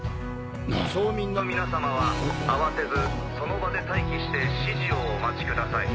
町民の皆さまは慌てずその場で待機して指示をお待ちください。